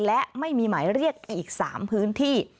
และไม่มีหมายเรียกอีก๓พื้นที่